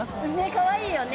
かわいいよね。